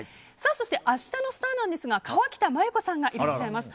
そして、明日のスターですが河北麻友子さんがいらっしゃいます。